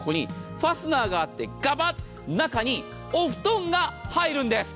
ファスナーがあって中にお布団が入るんです。